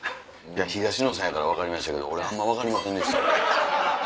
東野さんやから分かりましたけど俺あんま分かりませんでした。